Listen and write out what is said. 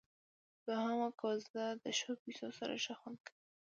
دوهمه کوزده د ښو پيسو سره ښه خوند کيي.